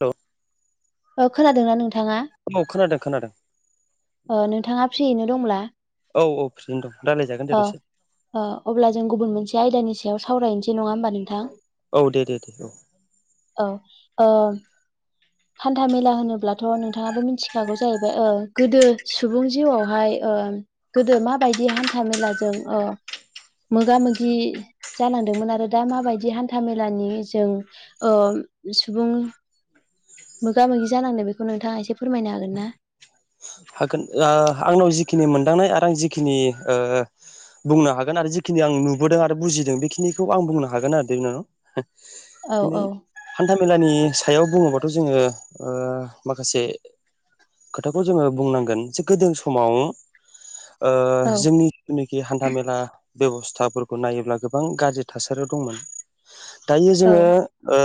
औ खोनादोंना नोंथाङा औ खोनादों खोनादों अ नोंथाङा फ्रियैनो दंब्ला औ औ फ्रियैनो दं रायलायजागोन दे ओ दसे ओ अब्ला जों गुबुन मोनसे आयदानि सायाव सावरायनोसै नङा होमबा नोंथां औ दे दे दे औ ओ हान्था मेला होनोब्लाथ' नोंथाङाबो मिथिखागौ जाहैबाय गोदो सुबुं जिउआवहाय ओ गोदो माबायदि हान्था मेलाजों ओ मोगा मोगि जालांदोंमोन आरो दा माबायदि हान्था मेलानि जों ओ सुबुं मोगा मोगि जानांदों बेखौ नोंथाङा एसे फोरमायनो हागोन ना हागोन ओ आंनाव जिखिनि मोनदांनाय आरो आं जिखिनि ओ बुंनो हागोन आरो जिखिनि आं नुबोदों आरो बुजिदों बेखिनिखौ आं बुंनो हागोन आरो बिनानाव औ औ [unintelligible] मेलानि सायाव बुङोबाथ' जोङो ओ माखासे खोथाखौ जोङो बुंनांगोन जे गोदो समाव ओ औ जोंनि जिथुनाखि हान्था मेला बेब'स्थाफोरखौ नायोब्ला गोबां गाज्रि थासारियाव दंमोन। दायो औ जोङो ओ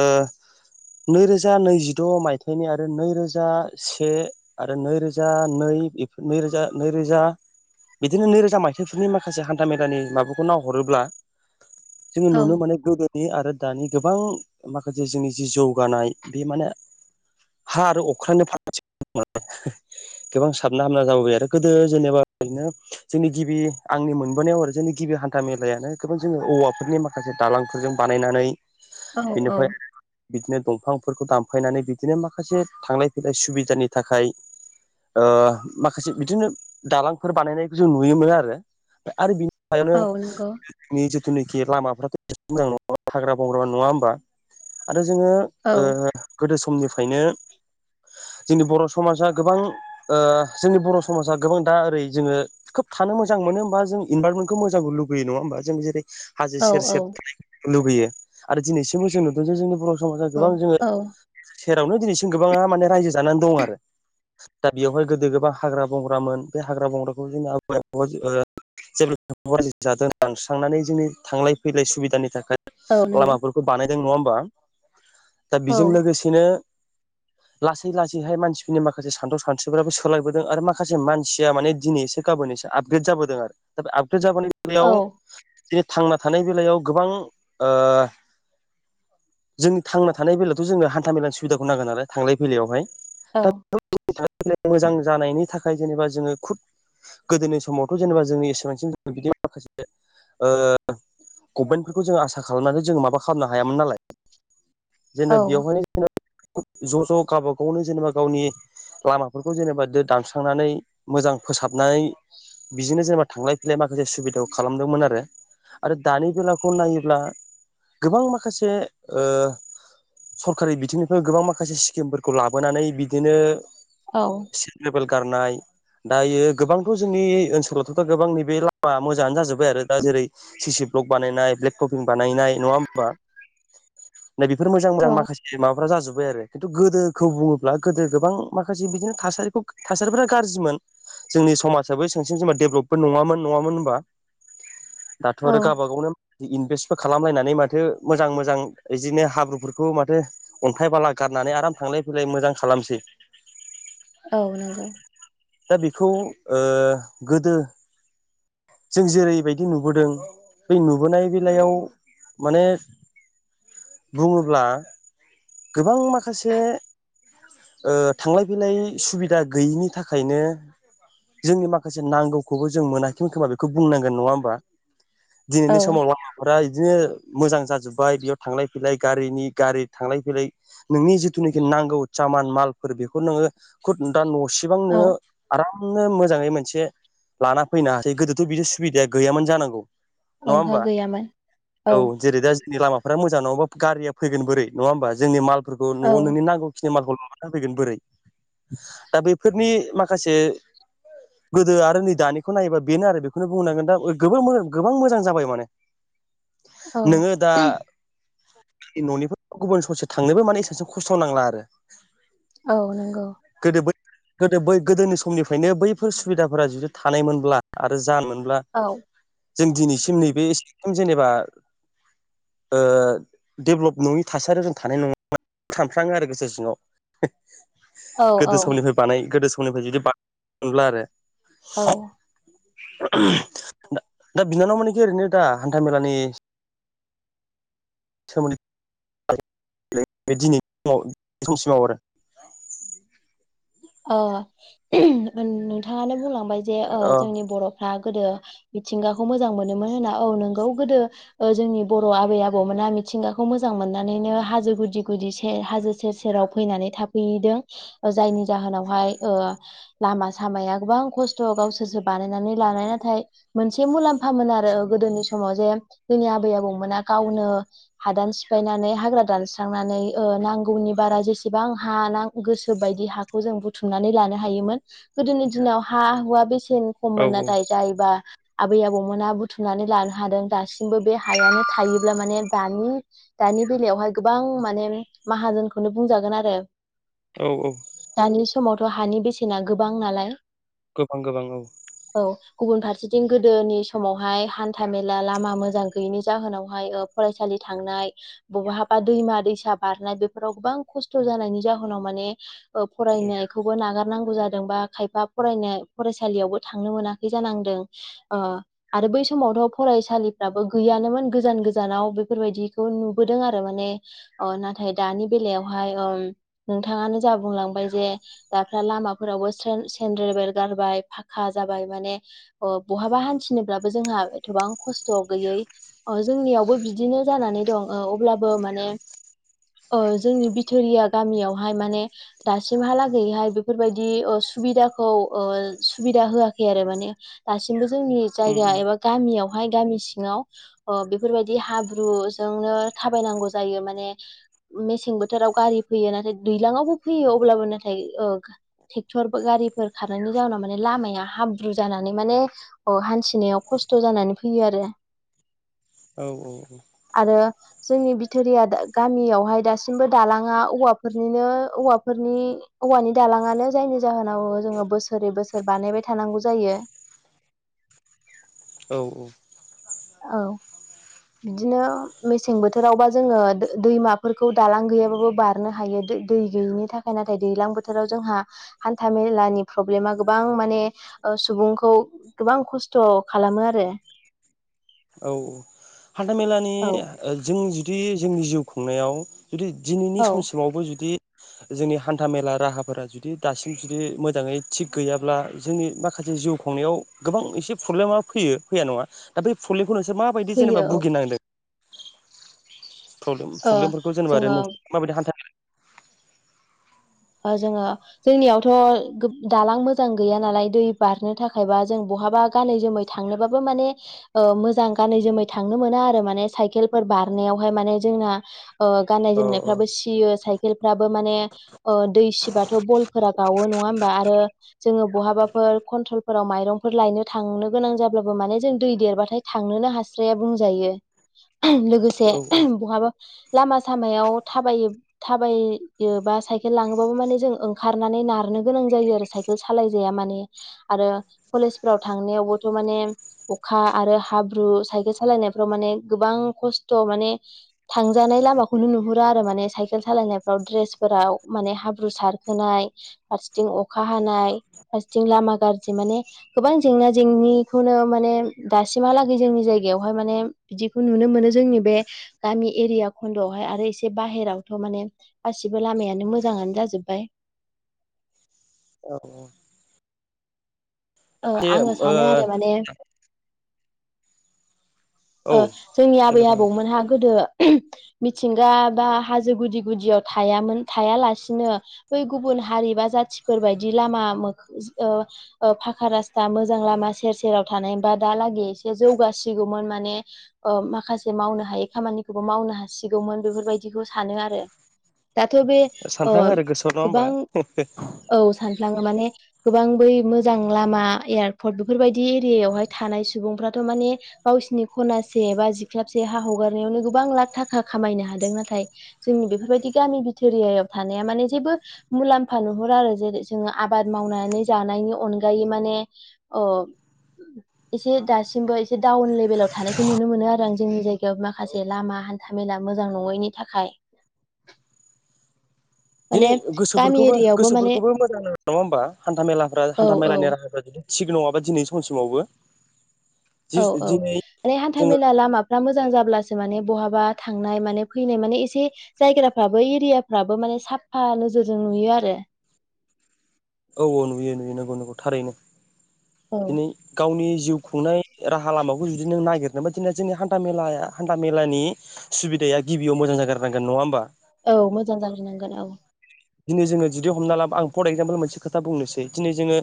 नै रोजा नैजिद' मायथाइनि आरो नै रोजा से आरो नैरोजा रोजा नै रोजा नै रोजा बिदिनो नैरोजा मायथाइफोरनि माखासे हान्था मेलानि माबाखौ नावहरोब्ला जोङो औ नुनो माने गोदो नि आरो दानि गोबां माखासे जोंनि जि जौगानाय बे माने हा आरो अख्रांनि [unintelligible] गोबां साबना हामना जाबोबाय आरो गोदो जेनेबा ओरैनो जोंनि गिबि आंनि मोनबोनायाव आरो जेन जोंनि गिबि हान्था मेलायानो गोबां जोङो औवाफोरनि माखासे दालांफोरजों बानायनानै औ औ बिनिफ्राय बिदिनो दंफांफोरखौ दानफायनानै बिदिनो माखासे थांलाय फैलाय सुबिदानि थाखाय ओ माखासे बिदिनो दालांफोर बानायनायखौ जों नुयोमोन आरो आरो बि सायावनो औ नंगौ [unintelligible] जिथुनिखि लामाफ्राथ' [inaudible] मोजां नङा हाग्रा बंग्रा नङा होमबा आरो जोङो औ ओ गोदो समनिफ्रायनो जोंनि बर' समाजा गोबां ओ जोंनि बर' समाजा गोबां दा ओरै जोङो खोब थानो मोजां मोनो होमबा जोंनि इनभाररनमेन्खौ मोजां [unintelligible] लुबैयो नङा होमबा जों जेरै हाजो औ सेर सेर [inaudible] लुगैयो आरो दिनैसिमबो जों नुदों जे जोंनि बर समाजा औ गोबां जोङो औ सेरावनो दिनैसिम गोबाङा माने रायजो जानानै दं आरो दा बेयावहाय गोदो गोबां हाग्रा बंग्रामोन बे हाग्रा बंग्राखौ जोंनि [unintelligible] ओह जेब्ला [inaudible] जादों दानस्रांनानै जोंनि थांलाय फैलाय सुबिदानि थाखाय औ नंगौ लामाफोरखौ बानायदों नङा ओमबा दा औ बेजों लोगोसेनो लासै लासैहाय मानसिफोरनि माखासे सानथौ खान्थिफ्राबो सोलायबोदों आरो माखासे मानसिया माने दिनै एसे गाबोन एसे आपग्रेद जाबोदों आरो दा बे आप ग्रेद जाबोननि औ बेलायाव इदिनो थांना थानाय बेलायाव गोबां ओह जोंनि थांना थानाय बेलायावथ जोंनो हान्था मेलानि सुबिदाखौ नांगोन नालाय थांलाय फैलायावहाय। औ। दा [unintelligible] मोजां जानायनि थाखाय जेनेबा जोङो खुद गोदोनि समावथ जेनेबा जोंनि एसेबांसिम बिदि माखासे ओह गभमेन्ट फोरखौ जों आसा खालामनानै जोङो माबा खालामनो हायामोन नालाय। औ जेनेबा बेवहायनो [inaudible] ज ज गाबा गावनि जेनेबा गावनि लामाफोरखौ जेनेबा दो दानस्रांनानै मोजां फोसाबनाय बिजिनो जेनेबा थांलाय फैलाय माखासे सुबिदाखौ खालामदोंमोन आरो आरो दानि बेलाखौ नायोब्ला गोबां माखासे ओह सरखारि बिथिंनिफ्राय गोबां माखासे स्किमफोरखौ लाबोनानै बिदिनो औ सेन्द ग्रेबेल गारनाय दायो गोबांथ जोंनि ओनसोलावथ दा गोबां नैबे लामा मोजाङानो जाजोब्बाय आरो दा जेरै सिसि ब्लग बानायनाय ब्लेग टफिं बानायनाय नङा होमबा। [inaudible] नै बेफोर मोजां औ मोजां माखासे माबाफ्रा जाजोब्बाय आरो खिन्थु गोदोखौ बुङोब्ला गोदो गोबां माखासे बिदिनो थासारिखौ थासारिफोरा गारजिमोन। जोंनि समाजाबो एसांसिम जेनबा देभलबबो नङामोन नङामोन होनबा। [inaudible] दाथ आरो गाबा गावनो इनभेस्टबो खालामलायनानै माथ थो मोजां मोजां इदिनो हाब्रुफोरखौ माथो अन्थाइ बाला गारनानै आराम थांलाय फैलाय मोजां खा लामसै। औ नोंगौ। दा बेखौ ओह गोदो जों जेरैबाइदि नुबोदों बै नुबोनाय बेलायाव माने बुङोब्ला गोबां माखासे ओह थांलाय फैलाय सुबिदा गैयिनि थाखायनो जोंनि माखासे नांगौखौबो जों मोना खैमोन खोमा बेखौ बुंनांगोन नङा होमबा औ दिनैनि समाव लामाफोरा इदिनो मोजां जाजोब्बाय बेयाव थांलाय फैलाय गारिनि गारि थांलाय फैलाय नोंनि जिथुनखि नांगौ सा मान माल फोर बेखौ नोङो खुद दा न इसेबां औ नोङो आरामनो मोजाङै मोनसे लाना फैनो हासै गोदोथ बिदि सुबिदाया गैामोन जांगौ। नङा ओंहो होमबा गैयामोन औ जेरै दा जोंनि लामा फोरा मोजां नङाबा गारिया फैगोन बोरै नङा होमबा जोंनि मलफोरखौ औ नआव नोंनि नांगौखिनि मालखौ माबाना होफैगोन बोरै दा बेफोरनि माखासे गोदो आरो नै दानि खौ नायोबा बेनो आरो बेखौनो बुंनोनांगोन दा ओह गोबो मो गोबां मोजां जाबाय माने। औ नोङो दा। ननिफ्राय गुबुन ससे थांनोबो माने एसांसो खस्थ नांला आरो। औ नोंगौ। गोदो बै गोदो बै गोदोनि समनिफ्रायनो बैफोर सुबिदाफोरा जुदि थानायमोनब्ला आरो जानानै औ। जों दिनैसिम नैबे [inaudible] जेनेबा ओ डेभलप नङि थासारियाव जों थानाय नङामोन। सानफ्लाङो आरो गोसो सिङाव। औ गोदो औ समनिफ्राय बानाय गोदो समनिफ्राय जुदि बानाय मोनब्ला आरो औ। दा बिनानाव मोनिखि ओरैनो दा हान्था मेलानि समनि [unintelligible] [unintelligible] ओ नोंथाङानो बुंलांबाय जे ओ औ जोंनि बर'फ्रा गोदो मिथिंगाखौ मोजां मोनोमोन होनना औ नोंगौ गोदो ओ जोंनि बर' आबै आबौमोना मिथिंगाखौ मोजां मोननानै हाजो गुदि गुदि से हाजो सेर सेराव फैनानै थाफैदों जायनि जाहोनावहाय ओ लामा सामाया गोबां खस्थ' गावसोरसो बानायनानै लानाय नाथाय। मोनसे मुलाम्फामोन आरो गोदोनि समाव जे जोंनि आबै आबौमोना गावनो हादान सिफायनानै हाग्रा दानस्रांनानै ओ नांगौनि बारा जेसेबां हा गोसो बायदि हा जों बुथुमनानै लानो हायोमोन गोदोनि दिनाव हा हुवा बेसे खम खम औ मोन नाथाय जायोबा आबै आबौमोना बुथुमनानै लानो हादों दासिमबो बे हायानो थायोब्ला माने दानि दानि बेलायावहाय गोबां माने माहाजोनखौनो बुंजागोन आरो। औ औ। दानि समावथ' हानि बेसेना गोबां नालाय। गोबां गोबां औ। औ गुबुन फारसेथिं गोदोनि समावहाय हान्था मेला लामा मोजां गैयैनि जाहोनावहाय ओ फरायसालि थांनाय बहाबा दैमा दैसा बारनाय बेफोराव गोबां खस्थ' जानायनि जाहोनाव माने फरायनायखौबो नागार नांगौ जादोंबा खायफा फरायनाय फरायसालियावबो थांनो मोनाखै जानांदों अ बै समावथ' फरायसालिफ्राबो गैयानोमोन गोजान गोजानाव बेफोरबायदिखौ नुबोदों आरो माने अ नाथाय दानि बेलायावहाय ओम नोंथाङानो जा बुंलांबाय जे दाफ्रा लामाफोरावबो सेन-सेेनन्द्रे बेल गारबाय फाखा जाबाय माने अ बहाबा हान्थिनोब्लाबो जोंहा एथबां खस्थ' गैयै ओ जोंनियावबो बिदिनो जाना नै दं ओ अब्लाबो माने ओ जोंनि बिथोरिया गामियावहाय माने दासिमहालागैहाय बेफोरबायदि ओ सुबिदाखौ ओ सुबिदा होआखै आरो माने दासिमबो जोंनि जायगा एबा गामियाव हाय गामि सिङाव ओ बेफोरबायदि हाब्रुजोंनो थाबायनांगौ जायो माने मेसें बोथोराव गारि फैयो नाथाय दैयलाङावबो फैयो अब्लाबो नाथाय ओ ट्रेक्टर गारिफोर खारनायनि जाउनाव माने लामाया हाब्रु जानानै माने औ हान्थिनायाव खस्थ' जानानै फैयो आरो। औ औ औ। आरो जोंनि बिथोरिया गामियावहाय दासिमबो दालाङा औवाफोरनिनो औवा फोरनि औवानि दालाङानो जायनि जाहोनाव जोङो बोसोरै बोसोर बानायबाय थानांगौ जायो। [unintelligible] औ औ। औ। बिदिनो मेसें बोथोरावबा जोङो दैमाफोरखौ दालां गैयाबाबो बारनो हायो दै गैयिनि थाखाय नाथाय दैलां बोथोराव जोंहा हान्था मेलानि प्रब्लेमा गोबां माने सुबुंखौ गोबां खस्थ' खालामो आरो। औ औ हान्थामेलानि औ ओ जों जुदि जोंनि जिउ खुंनायाव जुदि दिनैनि औ समसिमावबो जुदि जोंनि हान्था मेला राहाफोरा जुदि दासिम जुदि मोजाङै थिग गैयाब्ला जोंनि माखासे जिउ खुंनायाव गोबां एसे प्रब्लेमा फैयो फैया नङा दा बै सलेखौ नोंसोर माबाय जेनेबा फैयो औ भुगिनांदों? प्रब्लेम ओ प्रब्लेमफोरखौ जेनबा आरो जोङो नोंसोर माबायदि हान्था जोङो जोंनियावथ' दालां मोजां गैया नालाय दै बारनो थाखायबा जों बा बाहाब थांनोबाबो माने मोजां गानै जोमै थांनो ओ मोना आरो। सायखेलफोर बाह-' बारनायावहाय माने ओ जोंना गाननाय औ जनायफ्राबो सियो साइकेलफ्राबो माने ओ दै सिबाथ' बलफोरा गावो नङा हबा आरो जो बहाबाफोर कन्ट्रोल फोराव माइरंफोर लायनो थांनो गोनां जाब्लाबो माने जों दै देरबाथाय थांनोनो हास्राया बुंजायो। लोगोसे औ बहाबा लामा सामायाव थाब थाबायोबा साइ लाङोबाबो माने जों ओंखारनानैनो नारनो गोनां जायो आरो सायखेल सालाय जाया माने आरो केजाव थांनायावबोथ' माने अखा आरो हाब्रु साइकेल सालायनायफ्राव माने गोबां-' खस्थ' माने थांजानाय लामाखौनो नुहुरा आरो माने साइकेल सालायनायफ्राव दड्रेसफोराव माने हाब्रु सारखोनाय फारसेथिं अखा हानाय फारसेथिं लामा गाज्रि माने गोबां जेंना जेंनिखौनो माने दासिमहालागै जोंनि जायगायावहाय माने बिदिखौ नुनो मोनो। जोंनि बे गामि एरिया खन्दआवहाय आरो एसे बाहेरावथ' माने गासिबो लामाय मोजां मोजाङानो जाजोब्बाय। औ। ओ ए आङो ओम सानो आरो माने ओ जोंनि आबै देलाय बुंलाय आबौमोनहा गोदो मिथिंगा बा हाजो गुदि गुदियाव थायामोन थायालासिनो बै गुबुन हारि बा जाथिफोर बायदि लामा फाखा रासता मोजां लामा सेर सेराव थानाय बा दालागै एसे जौगासिगौमोन माने माखासे मावनो हायै खामानिखौबो मावनो हासिगौमोन बेफोरबायदिखौ सानो आरो। दाथ' बे सानफ्राङो आरो गोसोआव नङा होमबा गोबां औ सान लश माने गोबां बै मोजां लामा एयारपर्ट बेफोरबायदि एरियायावहाय थानाय सुबुंफ्राथ' माने गावसिनि खनासे बा जिख्लाबसे हा हगारनायावनो गोबां लाख थाखा खामायनो हादों नाथाय जोंनि बेफोरबायाददि गामि बिथोरियाव थानाया माने जेबो मुलाम्फा नुहर आरो जेरै जो आबाद मावनानै ज नायनि अनगायै माने औ एसे दासिमबो दाउन लेबेल थानायखौ नुनो मोनो आरो आं जोंनि जायगायाव माखासे लामा हान्थाामेला मोजां नङैनि थाखाय [inaudible] दिनै माने गामि गोसोफोरखौबो एरियायावबो माने गोसोफोरखौबो मोजां नङा होमबा हान्था मेलाफ्रा औ हान्था मेलानि औ राहाफ्रा बिदि थिग नङाबा दिनै समसिमावबो जि औ औ दिनै माने हान्था जोङो मेला लामाफ्रा मोजां जाब्ला। माने बहाबा थांनाय माने फैनाय माने नायग्राफोराबो एरिया फ्राबो माने साफा नोजोरजों नुयो आरो। औ औ नुयो नुयो नंगौ नंगौ थारैनो। औ दिनै गावनि-' जिउ खुंनाय राहा लामाखौ जुदि नों नागिरनोबा दिनै जोंनि हान्थ माया हान्था मेलानि सुबिदा दै गिबियाव मोां जोनारांगोन नङा होमबा? औ मोजां जाग्रोनांगोन औ। दिनै जोङो जदि हमना ला आं फर एगजामपोल मोनसे खोथा बुंनोसै दिनै जोङो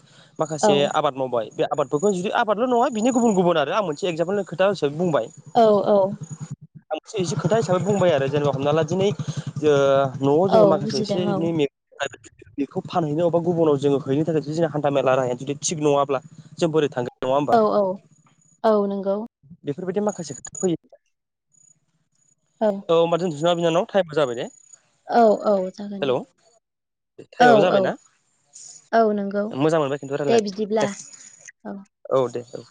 औ माखासे आबाद मावबाय बे आबादफोरखौ जुदि आादल' नङा बिनि गुबुन गुबुन आरो आं मोनसे एक्जाम्पोलनि खोथा हिसाबै बुंबाय औ औ। आं एसे एसे खोथा हिसाबै बुंबाय आरो जो जेनेबा हमना ला दिनै जो न'आव औ जोङो माखासे बुजिदों औ एसे [unintelligible] बेखौ फानहैनो अबा गुबुनाव जोङो हैनो थाखाय जु जोंनि हान्था मेला राहाया जुदि थिग नङाब्ला जों बोरै थांगोन। नङा होमबा औ औ औ नंगौ। बेफोरबायदि माखासे खोथा फैयो। औ होमबा दोनथ'सै ना बिनानाव टाइमाबो जाबाय ने? औ औ जागोन दे हेलौ औ टाइमाबो औ जाबायना? औ नंगौ मोजां मोनबाय खिन्थु दे रायलाय बिदिब्ला औ [unintelligible] औ दे औ